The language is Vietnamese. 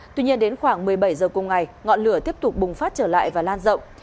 tuy nhiên đến khoảng một mươi bảy h cùng ngày ngọn lửa tiếp tục bùng phát trở lại và lan rộng